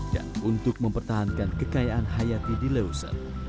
dan untuk mempertahankan kekayaan hayati di leuser